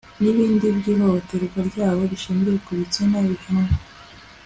n'ibindi by'ihohoterwa ryabo rishingiye ku gitsina bihanwa